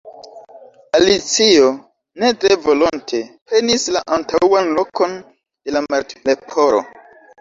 Alicio, ne tre volonte, prenis la antaŭan lokon de la Martleporo.